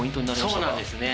そうなんですね。